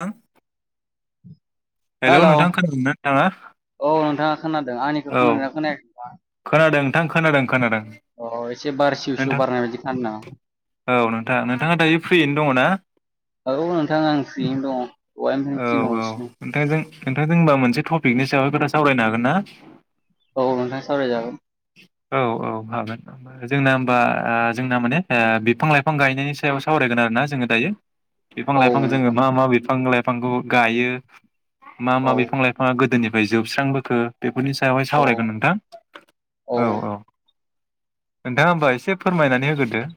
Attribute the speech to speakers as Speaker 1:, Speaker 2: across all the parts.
Speaker 1: हा हेलौ नोंथां खोनादोंना नोंथाङा
Speaker 2: औ नोंथाङा खोनादों आंनिखो
Speaker 1: औ
Speaker 2: खोनादोना खोनायाखै
Speaker 1: खोनादों नोंथां खोनादों खोनादों
Speaker 2: अ एसे बार सिउसिउ
Speaker 1: नोंथां
Speaker 2: बारनाय बायदि थानादों नामा
Speaker 1: औ नोंथा नोंथाङा दायो फ्रियैनो दङ ना
Speaker 2: औौ नोंथांा आं फ्रियनो दं दहायनिफ्रायनो फ्रि दं हासिगं
Speaker 1: नोंथां जों नोंथां जों होनबा मोनसे टपिकनि सायाव खोथा सावरायनो हागोन ना
Speaker 2: औ नोंथां सावरायजागोन
Speaker 1: औ औ हागोन औ जोंना होमबा जोंना माने बिफां लाइफां गायनायनि सायाव सावरायगोन आरो ना जोङो दायो बिफां
Speaker 2: औ
Speaker 1: लाइफांखौ जोङो
Speaker 2: नोंथां
Speaker 1: मा मा बिफां लाइफांखौ गायो मा
Speaker 2: औ
Speaker 1: मा बिफां लाइफाङा गोदोनिफ्राय जोबस्रांबोखो बेफोरनि सायावहाय
Speaker 2: औ
Speaker 1: सावरायगोन नोंथां औ औ नोंथाङा होमबा एसे फोरमायनानै होग्रोदो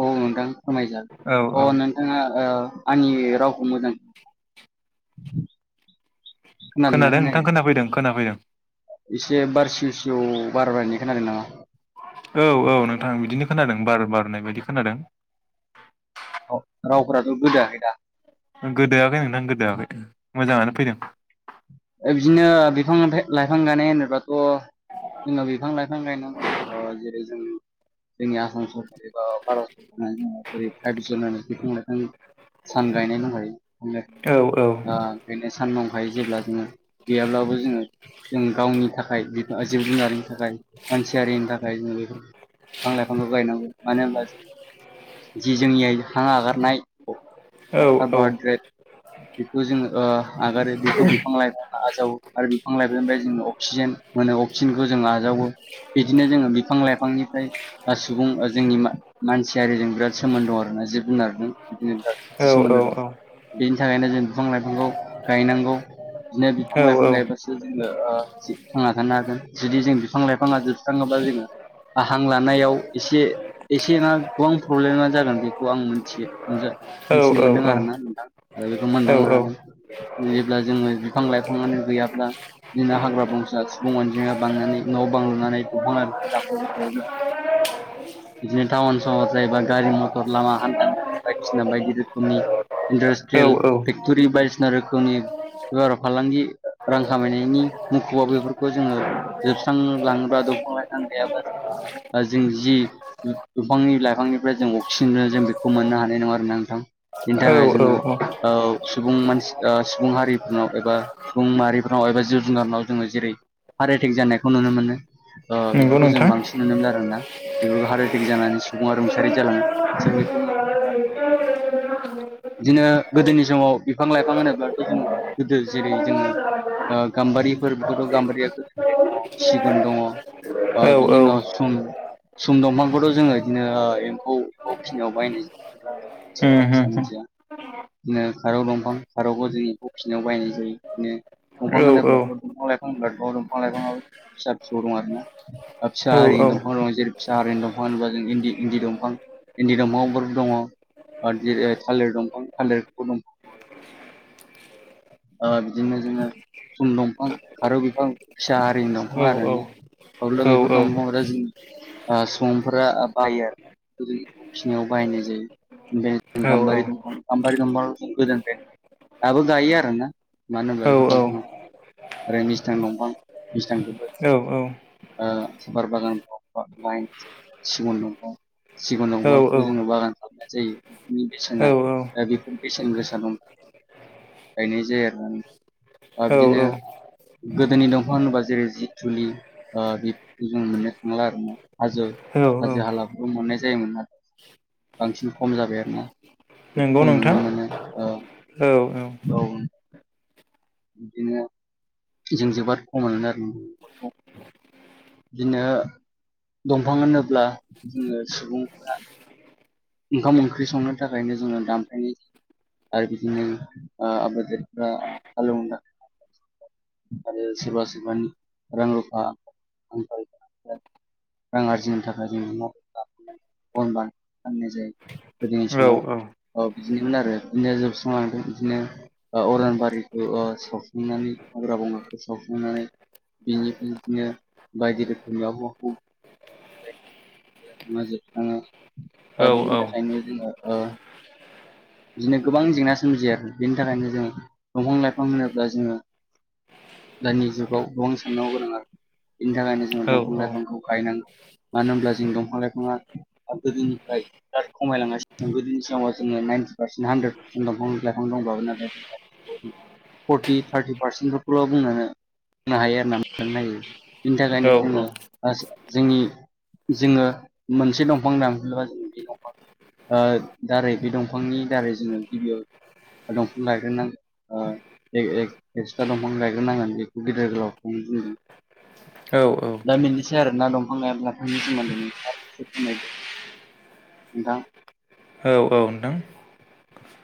Speaker 2: औ नोंथां
Speaker 1: औ औ
Speaker 2: फोरमायजागोन अ नों जोङो आंनि रावखौ मोजां खोनादोंना
Speaker 1: खोनादों नोंथां
Speaker 2: खोनायाखै
Speaker 1: खोनाफैदों खोनाफैदों
Speaker 2: एसे बार सिउ स्लिय बार बारायनाय खोनादों नामा
Speaker 1: औ औ नोंथां बिदिनो खोनादों बार बारनाय बायदि खोनादों
Speaker 2: रावफोराथ' गोदोआखै दा
Speaker 1: गोदोआाखै नोंथां गोदोायाखै मोजाङानो फैदों
Speaker 2: बिदिनो बिफां लाइफां गानाय होनोबाथ' जोंनाव बिफां लाइफां गायनांगौ अ' जेरै जों जोंनि आसाम सरक ओ भारत होननानै बुंइो जेरै फायप जुन बिफां लाइफां सान गायनाय दं खायो
Speaker 1: औ औ
Speaker 2: ओं बेनो सान दंखायो जेब्ला जोङो गैयाब्लाबो जोङो जों गावनि थाखाय जिब जुनारनि थाखाय मानसियारिनि थाखाय जों बेखौ बिफां लाइफां गायनांगौ मानो होनबा जों जि जोंनिय हां हगारनाय
Speaker 1: औ औ
Speaker 2: काबबर्थडे बेखौ जोङो आगारो बेखौ बिफां लाइ आजावो आरो बिफां लाइफनिफ्राय जों अक्सिजेन मोनो अक्सिजेनखौ जों आजावो बिदिनो जोङो बिफां लाइफांनिफ्राय सुबुं जोंनि मानसियारिजों बिराद सोमोन्द दं आरोना जिबजुनारजों बिदिनो बिराद
Speaker 1: औ
Speaker 2: खाथि सोमोन्दो दं
Speaker 1: औ
Speaker 2: बेनि थाखायनो जों बिफां लाइफांखौ गायनांगौ बिदिनो
Speaker 1: औ
Speaker 2: बिफां लाइफां
Speaker 1: औ
Speaker 2: गायबासो जोङो थांना थानो हागोन जुदि जों बिफां लाइफाङा जोबस्रांङोबा जोङो ाहां लानायाव एसे एसे नना गोबां प्रब्लेमा जागोन बेखौ आं मिथियो नजा
Speaker 1: औ
Speaker 2: मोनथिनो मोनदों
Speaker 1: औ औ
Speaker 2: आरो नाां आरो बेखौ मोनदांनो
Speaker 1: औ
Speaker 2: हादों जेब्ला जोङो बिफां लाइफाङानो गैयाब्ला बिदिनो हाग्रा बंसा्रा सुबुं अनजिमा बांनानै न' बांलुनानै दंफां लाइ दाफबाय थायोब्ला
Speaker 1: औ
Speaker 2: बिदिनो टाउन सहर जायोबा गारि मथर लामा हान्था मेला बायदिसिना बायदि रोखोमनि इन्डासट्रियेल फेक्ट'रि बायदिसिना रोखोमनि बेबार' फालांगि रां खामायनायनि मुखुबाव बेफोरखौ जोङो जोबस्रां लाङोब्ला दंफां लाइफां गैयाब्ला जों जों जि बिफांनि लाइफांनिफ्राय जों अक्सिजेन जों बेखौ मोननो हानाय नङा आरो ना नोंथां । बेनि
Speaker 1: औ
Speaker 2: थाखाय
Speaker 1: औ औ औ
Speaker 2: जोङो सुबुं मानसि सुबुं हारि । नाव एबा सुबुं माहारिफोरनाव एबा जिब जुनगारनाव जोङो जेरै हार्ट एटेक जानायखौ नुनो मोनो ।
Speaker 1: नंगौ
Speaker 2: बेफोरखौ जों
Speaker 1: नोंथां
Speaker 2: बांसिन नुनो मोन आर ना । बेफोरखौ हार्ट एटेक जानानै सुबुङा रुंसारि जालाङो जों बेखौनो
Speaker 1: [inaudible]
Speaker 2: बिदिनो गोदोनि समाव बिफां लाइफां होनोब्लाथ' जोङो गोदो जेरै जोङो गाम्बारिफोर बेाव गाम्बारिया
Speaker 1: औ ह
Speaker 2: अ बिनि उनाव सम सम दंफांखौथ' जोङो बिदिनो एम्फौ बखिनियाव बायनाय जायो ।
Speaker 1: उम उम
Speaker 2: सिया मिथिया बिदिनो खारौ दंफां खारौखौ जोंनि फिसिनायाव बायनाय जायो बिदिनो
Speaker 1: औ
Speaker 2: दंफां
Speaker 1: औ
Speaker 2: होनोब्ला दंफां लाइफां होन दफां लाइफां फिसा फिसौ दं आर ना । फिसा
Speaker 1: औ
Speaker 2: हारिनि दंफां दं जेरै फिसा हारिनि दंफां होनोबा जों इन्दि दंफां इन्दि दंफांफोर दङ थालिर दंफां थालिरखौ दंफां बिदिनो जोङो फुन दंफां फारौ बिफां फिसा आरिनि दंफां
Speaker 1: औ
Speaker 2: आरोना अ'
Speaker 1: औ
Speaker 2: बेफोर दंफां फोरा जों सुबुंफोरा बायो आरो । फिनायाव बाहायनाय जायो ओमफ्रायों गाम्बारि दंफां गाम्बारि दंफां गोदनिफ्राय । दाबो गायो आर ना मानो होनबा बेफोर दंफाङा ।
Speaker 1: औ
Speaker 2: आरो मिस्थां दंफां
Speaker 1: औ
Speaker 2: मिस्थांखौबो सफारि बागान दङा लाइन सिगुन दंफां । सिगुन दंफांखौबो जोङो बागान खालामनाय जायो बेफोरनि बेसेना
Speaker 1: औ
Speaker 2: बेखौ बेसेन गोसा दंफां गायनाय जायो आरो बिदिनो
Speaker 1: औ
Speaker 2: गोदोनि दंफांआ होनोबा जेरै जि थुलि बेफोरखौ जों मोननो थांला आरो ना हाजो
Speaker 1: औ
Speaker 2: हाजो हाला मोननाय जायोमोन आरो । बांसिन खम जाबाय आरोना जे
Speaker 1: नंगौ
Speaker 2: खम
Speaker 1: नोंथां
Speaker 2: नुनो मोनो ।
Speaker 1: औ औ ।
Speaker 2: औ । बिदिनो जों जोबोद खमायो आरो नफोरखौ । बिदिनो दंफां होनोब्ला जोङो सुबुं । ओंखाम ओंख्रि संनो थाखायनो जोङो दामफायनि । आरो बिदिनो आबादारिफ्रा हालौना आरो सोरबा सोरबानि रां रुफा आं रां आरजिनो थाखाय जों [inaudible] फाननाय जायो गोदोनि
Speaker 1: औ
Speaker 2: समाव अ बिदिनोमोन आरो बिदिनो जोबस्रांलांदों बिदिनो अरानबारिखौ सावसांनानै हाग्रा बंगाखौ सावसांनानै । बेनिफ्राय बिदिनो बायदि रोखोमनि आबहावा
Speaker 1: [inaudible]
Speaker 2: मा जोबस्राङा ।
Speaker 1: औ
Speaker 2: दिनि थाखायनो जोङो अ । बिदिनो गोबां जेंना सोमजियो आरो बिनि थाखायनो जों । दंफां लाइफां होनोब्ला जोङो दानि जुगाव गोबां साननांगौ गोनां आरो बेनि थाखायनो जोङो
Speaker 1: औ
Speaker 2: दंफां लाइफांखौ गायनांगोन मानो होनब्ला जों दंफां लाइफाङा गोदो [unintelligible] खमायलांगासिनो दं दिनि समाव जोङो नाइनटि पारसेन्ट हान्द्रेद पारसेन्ट दफां लाइफां दंबाबो नाथाय फर्टि थार्टि पारसेन्टफोरखौ' बुंन बुंनो हायो आरो ना मोजां नायो बिनि थाखायनो जोङो जोंनि जोङो मोनसे दंफां दांफबाय बे दंफां दारै बे दंफांनि दारै जोङो गिबियाव दंफां गायग्रोनानै एक्सट्रा दंफां गायग्रोनांगोन बेखौ गिदिर गोलावखौनो बुंदों
Speaker 1: औ-औ
Speaker 2: दा बेनोसै आरोना दंफांाब्लाथांनि सोमोन्दै नोंथांनो फोरमायदो [inaudible]
Speaker 1: औ औ नोंथां ।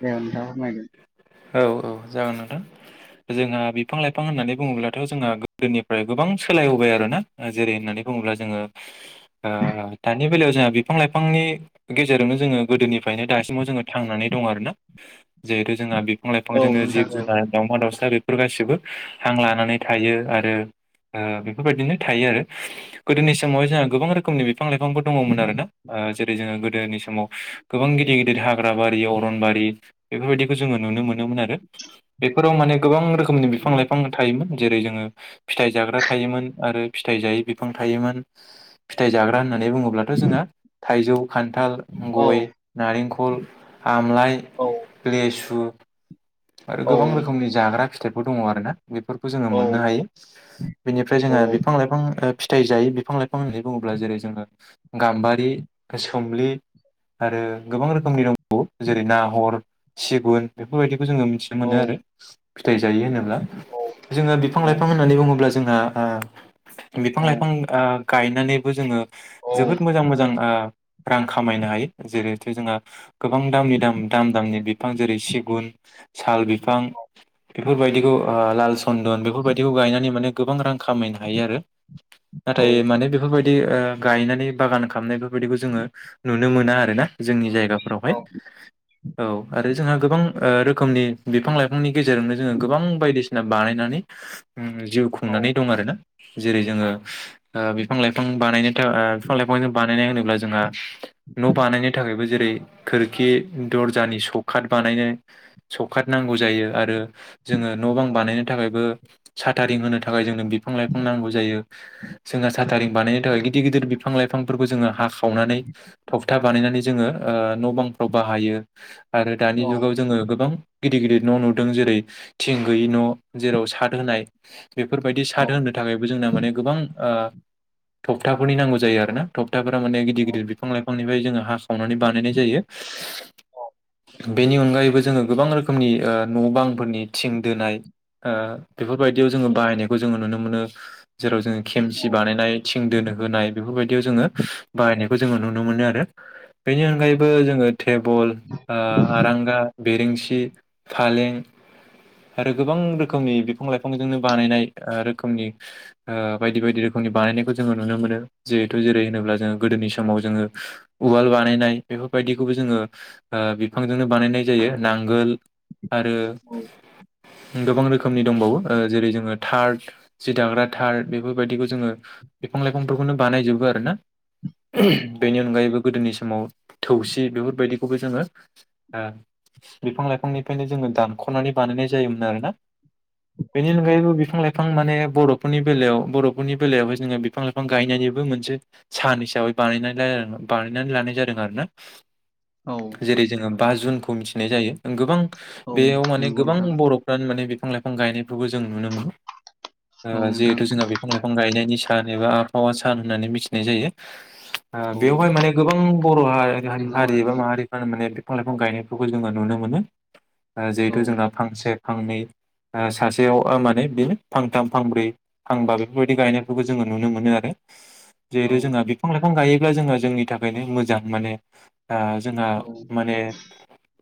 Speaker 2: बेे अन्थामायगोन
Speaker 1: औ औ जागोन नोंथां । जोंहा बिफां लाइफां होननानै बुङोब्लाथ' जोंहा गोदोनिफ्राय गोबां सोलायबोबाय आरोना जेरै होननानै बुङोब्ला जोङो दानि बेलायाव जोंहा बिफां लाइफांनि गेजेरावनो जोङो गोदोनिफ्रायनो दासिमाव जोङो थांनानै दं आरोना जिहेथु जोंहा बिफां लाइफां
Speaker 2: औ
Speaker 1: जोङो
Speaker 2: नोंथां
Speaker 1: जिब
Speaker 2: औ
Speaker 1: जुनार दाउमा दाउसा बेफोर गासिबो हां लानानै थायो आरो बेफोरबायदिनो थायो आरो गोदोनि समावहाय जोंहा गोबां रोखोमनि बिफां लाइफांबो दङमोन आरोना गोदोनि समाव गोबां गिदिर गिदिर हाग्रा बारि अरनबारि बेफोरबायदिखौ जोङो नुनो मोनो मोन आरो बेफोराव माने गोबां रोखोमनि बिफां लाइफां थायोमोन जेरै जोङो फिथाइ जाग्रा थायोमोन आरो फिथाइ जायै बिफां थायोमोन फिथाइ जाग्रा होननानै बुङोब्लाथ' जोंहा थाइजौ खान्थाल
Speaker 2: औ
Speaker 1: गय नारेंखल आमलाइ
Speaker 2: औ
Speaker 1: लेसु आरो
Speaker 2: औ
Speaker 1: गोबां रोखोमनि जाग्रा फिथाइफोर दङ आरो ना बेफोरखौ जोङो
Speaker 2: औ
Speaker 1: मोननो हायो बेनिफ्राय
Speaker 2: औ
Speaker 1: जोंहा
Speaker 2: औ
Speaker 1: बिफां लाइफां फिथाइ जायो बिफां लाइफां होननानै बुङोब्ला जेरै जोङो गाम्बारि गोसो थुमलि आरो गोबां रोखोमनि दंबावो जेरै नाहर सिगुन बेफोरबायदि खौ जोङो मिथिनो
Speaker 2: औ
Speaker 1: मोनो आरो फिथाइ जायो होनोब्ला जोङो बिफां लाइफां होननानै बुङोब्ला जोंहा ओ
Speaker 2: औ
Speaker 1: बिफां लाइफां गायनानैबो जोङो
Speaker 2: औ
Speaker 1: जोबोद मोजां मोजां रां खामायनो हायो जेरैथु जोंहा गोबां दामनि दाम दाम दामनि बिफां जेरै सिगुन साल बिफां बेफोरबायदिखौ लाल सन्दन बेफोरबायदिखौ गायनानै माने गोबां रां खामायनो हायो आरो नाथाय माने बेफोरबायदि गायनानै बागान खालामनायखौ बेफोरबायदिखौ जोङो नुनो मोना आरोना जोंनि जायगाफोरावहाय औ आरो जोंहा गोबां ओ रोखोमनि बिफां लाइफांनि गेजेरजोंनो जोङो गोबां बायदिसिना बानायनानै जिउ खुंनानै दं आरोना जेरै जोङो बिफां लाइफां बानायनो थाखाय बिफां लाइफां बानाय होनोब्ला जोंहा न' बानायनो थाखायबो जेरै खोरखि दर्जानि सौकत बानायनो सौखात नांगौ जायो आरो जोङो न' बां बानायनो थाखायबो साथारिं होनो थाखाय जोंनो बिफां लाइफां नांगौ जायो जोंहा साथारिं बानायनो थाखाय गिदिर गिदिर बिफां लाइफांफोरखौ जोङो हाखावनानै थगथा बानायनानै जोङो न' बांफ्राव बाहायो आरो दानि जुगाव जोङो गोबां गिदिर गिदिर न' नुदों जेरै थिं गैयि न' जेराव सात होनाय बेफोरबायदि साद होनो थाखायबो जोंना माने गोबां थगथाफोरनि नांगौ जायो आरोना थगथाफोरा माने गिदिर गदिरफां लाइांनिफ्राय जोङो हाख खावनानै बानायनाय जायो बेनि अनगायैबो जोङो गोबां रोखोम रोखोमनि न' बांफोरनि थिं दोनाय बेफोरबायदियाव जोङो बाहायनायखौ जोङो नुनो मोनो जेराव जोङो खेमसि बानायनाय थिं दोनो होनाय बेफोरबायदियाव जोङो बाहायनायखौ जोङो नुनो मोनो आरो बेनि अनगायैबो जोङो टेबोल आरांगा बिरेंसि फालें आरो गोबां रोखोमनि बिफां लाइफांजोंनो बानायनाय रोखोमनि बायदि बायदि रोखोमनि बानायनायखौ जोङो नुनो मोनो जिहेथु जेरै होनोब्ला जोङो गोदोनि समाव जोङो उवाल बानायनाय बेफोरबायदिखौबो जोङो ओ बिफांजोंनो बानायनाय जायो नांगोल आरो
Speaker 2: औ
Speaker 1: गोबां रोखोमनि दंबावो ओ जेरै जोङो थार्ड जि दाग्रा थार बेफोरबायदिखौ जोङो बिफां लाइफांफोरखौनो बानायजोबो आरो ना बेनि अनगायैबो गोदोनि समाव थौसि बेफोरबायदिखौबो जोङो बिफां लाइफांनिफ्रायनो जोङो दानख'नानै बानायनाय जायोमोन आरोना
Speaker 2: [inaudible]
Speaker 1: बेनि अनगायैबो बिफां लाइफां माने बर'फोरनि बेलायाव बर'फोरनि बेलायावहाय जोङो बिफां लाइफां गायनायनिबो मोनसे सान हिसाबै बानायना बानायनानै लानाय जादों आरोना
Speaker 2: औ
Speaker 1: जेरै जोङो बा जुनखौ मिथिनाय जायो गोबां
Speaker 2: औ
Speaker 1: बेयाव माने
Speaker 2: नंगौ
Speaker 1: गोबां
Speaker 2: नोंथां
Speaker 1: बर'फ्रानो माने बिफां लाइफां गायनायफोरखौ जों नुनो मोनो
Speaker 2: औ
Speaker 1: ओ
Speaker 2: नोंथां
Speaker 1: जिहेथु जोंहा
Speaker 2: औ
Speaker 1: बिफां लाइफां बिफां गायनायनि सान एबा आबहावा सान होननानै मिथिनाय जायो आ
Speaker 2: औ
Speaker 1: बेवहाय माने गोबां बर' हा
Speaker 2: नंगौ
Speaker 1: हारि एबा
Speaker 2: नंगौ
Speaker 1: माहारि ओ माने बिफां लाइफां गायनायफोरखौ जोङो नुनो मोनो
Speaker 2: औ
Speaker 1: जिहेथु जोंना फांसे फांनै ओ सासेयाव ओ माने बेनो फांथाम फांब्रै फांबा बेफोरबायदि गायनायफोरखौ जोङो नुनो मोनो आरो
Speaker 2: औ
Speaker 1: जेरेै जोंहा बिफां लाइफां गायोब्ला जोङो जोंनि थाखायनो मोजां माने ओ जोंहा
Speaker 2: औ
Speaker 1: माने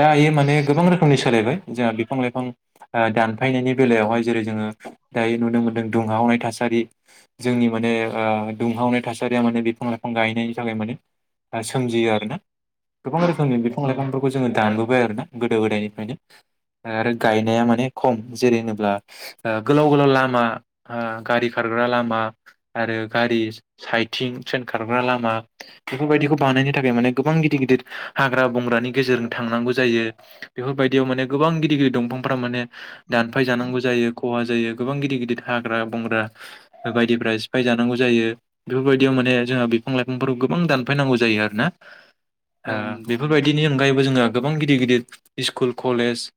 Speaker 1: दायो माने गोबां रोखोमनि सोलायबाय जोंहा बिफां लाइफां आ दानफायनायनि बेलायावहाय जेरै जोङो दायो नुनो मोन्दों दुंहावनाय थासारि जोंनि माने एबा दुंहावनाय थासारिया माने बिफां लाइफां गायैनायनि थाखाय माने आ सोमजियो आरो ना गोबां रोखोमनि बिफां
Speaker 2: औ
Speaker 1: लाइफांफोरखौ जोङो दानबोबाय आरो ना गोदो गोदायनिफ्रायनो आरो गायनाया माने खम जेरै होनोब्ला ओ गोलाव गोलाव लामा ओ गारि खारग्रा लामा आरो गारि साइथिं थ्रेनखारग्रा लामा बेफोरबायदिखौ बानायनो थाखाय माने गोबां गिदिर गिदिर हाग्रा बंग्रानि गेजेरजों थांनांगौ जायो बेफोरबायदियाव माने गोबां गिदिर गिदिर दंफांफोरा माने दानफाय जानांगौ जायो खहा जायो गोबां गिदिर गिदिर हाग्रा बंग्रा बायदिफ्रा सिफाय जानांगौ जायो बेफोरबायदियाव माने जोंहा बिफां लाइफांफोराव गोबां दानफायनांगौ जायो आरो ना
Speaker 2: औ
Speaker 1: ओ
Speaker 2: नंगौ नंगौ
Speaker 1: बेफोरबायदिनि अनगायैबो जोंहा गोबां गिदिर गिदिर स्कुल कलेज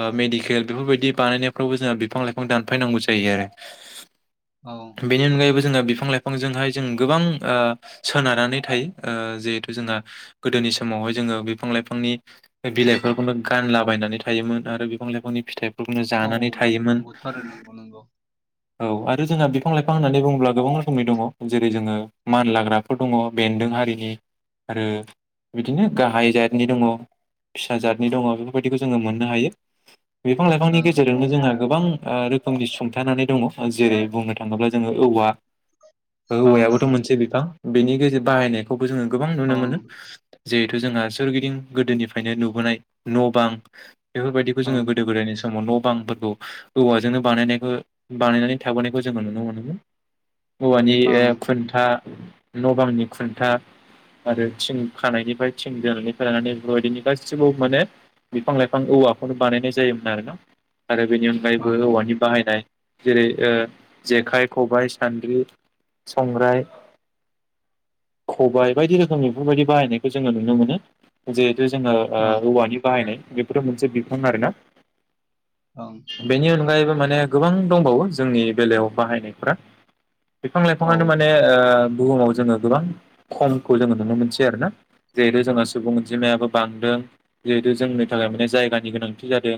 Speaker 1: ओ मेडिकेल बेफोरबायदि बानायनायफ्रावबो जोंहा बिफां लाइफां दानफायनांगौ जायो आरो
Speaker 2: औ
Speaker 1: बेनि अनगायैबो जोङो बिफां लाइफांजोंहाय जों गोबां ओ सोनारनानै थायो ओ जिहेथु जोंहा गोदोनि समावहाय जोङो बिफां लाइफांनि बिलाइफोरखौनो गानलाबायनानै थायोमोन आरो बिफां लाइफांनि फिथाइ
Speaker 2: औ नंगौथ' आरो नंगौ नंगौ
Speaker 1: औ आरो जोंहा बिफां लाइफां होननानै बुङोब्ला गोबां रोखोमनि दङ जेरै जोङो मान लाग्रा फोर दङ बेन्दों हारिनि आरो बिदिनो गाहाय जतनि दङ फिसा जादनि दङ बेफोरबायदिखौ जोङो मोननो हायो बिफां लाइफांनि
Speaker 2: ओं
Speaker 1: गेजेरजोंनो जोंहा गोबां ओ रोखोम नि सुंथानानै दङ जेरै बुंनो थां थाङोब्ला जोङो औवा
Speaker 2: ओं
Speaker 1: औवायाबोथ' मोनसे बिफां बेनि गेजेर बाहायनाय खौबो जोङो गोबां नुनो
Speaker 2: ओं
Speaker 1: मोनो जिहेथु जोंहा सोरगिदिं गोदोनिफ्रायनो नुबोनाय न' बां बेफोरबायदिखौ
Speaker 2: ओं
Speaker 1: जोङो गोदो गोदायनि समाव न' बांफोर औ औवाजोंनो बानायनायखौ बानायनानै थाबोनायखौ जोङो नुनो मोनोमोन औवानि
Speaker 2: ओं
Speaker 1: खुन्था न' बांनि खुन्था आरो थिं खानायनिफ्राय थिं दोनायनिफ्राय लानानै बेफोरबायदिनो गासिबो माने बिफां लाइफां औवाखौनो बानायनाय जायोमोन आरोना आरो बेनि
Speaker 2: ओं
Speaker 1: अनगायैबो औवानि बाहायनाय जेरै ओ जेखाय, खबाय, सान्द्रि, संग्राय खबाय बायदि रोखोम बेफोरबायदि बाहायनायखौ जोङो नुनो मोनो। जिहेथु जोङो ओ
Speaker 2: ओं
Speaker 1: औवानि बाहायनाय बेफोरो मोनसे बिफां आरो ना।
Speaker 2: ओं
Speaker 1: बेनि अनगायैबो माने गोबां दंबावो। जोंनि बेलायाव बाहायनायफोरा बिफां
Speaker 2: औ
Speaker 1: लाइफाङानो माने ओ बुहुमाव जोङो गोबां खमखौ जोङो नुनो मोनसै आरो ना। जिहेतु जोंहा सुबुं अनजिमायाबो बांदों जिहेतु जोंनि थाखाय माने जायगानि गोनांथि जादों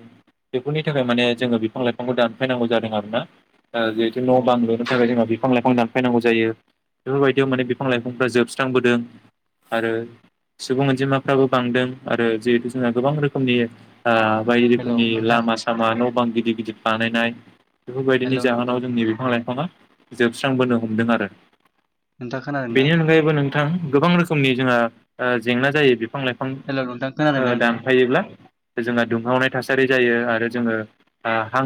Speaker 1: बेफोरनि थाखाय माने जोङो बिफां लाइफां फांखौ दानफैनांगौ जादों आरो ना आ जिहेतु न'
Speaker 2: औ
Speaker 1: बांगो बे थाखाय जोंहा बिफां लाइफां दानफैनांगौ जायो बेफोरबायदियाव माने बिफां लाइफांफ्रा जोबस्रांबोदों आरो सुबुं अनजिमाफ्राबो बांदों आरो जिहेतु जोंहा गोबां रोखोम खोमनि आ‌ बायदि
Speaker 2: हेलौ
Speaker 1: रोखोमनि
Speaker 2: नोंथां
Speaker 1: लामा सामा न' बां गिदिर गिदिर बानायनाय बेफोरबायदिनि
Speaker 2: हेलौ नोंथां
Speaker 1: जाहोनाव जोंनि बिफां लाइफाङा जोबस्रांबोनो हमदों आरो।
Speaker 2: नोंथाङा खोनादों ना
Speaker 1: बेनि अनगायैबो नोंथां, गोबां रोखोमनि जोंहा ओ जेंना जायो बेफ फां लाइफां
Speaker 2: हेलौ नोंथां खोनादों
Speaker 1: ओ
Speaker 2: ना नोंथाङा
Speaker 1: दानफायोब्ला ओ जोंहा दुंहावनाय थासारि जायो। आरो जोङो आ हां